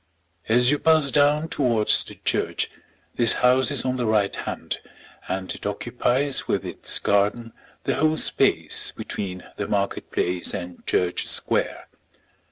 As you pass down towards the church this house is on the right hand, and it occupies with its garden the whole space between the market place and Church Square.